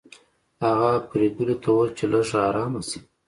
هغه پريګلې ته وویل چې لږه ارامه شي